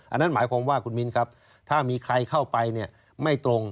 อันนั้นหมายความว่าคุณมิ้นครับถ้ามีใครเข้าไปเนี่ยไม่ตรง